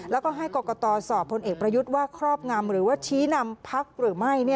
แล้วก็ให้กรกตสอบพลเอกประยุทธ์ว่าครอบงำหรือว่าชี้นำพักหรือไม่